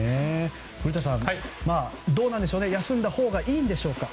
古田さんどうなんですかね休んだほうがいいんでしょうか。